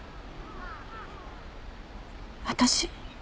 私。